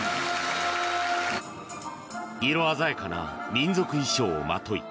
色鮮やかな民族衣装を身にまとい